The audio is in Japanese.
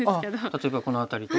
例えばこの辺りとか。